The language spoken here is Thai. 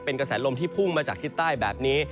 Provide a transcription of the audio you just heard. เป็นกระแสลมที่พุ่งมาจากทิศใต้แบบนี้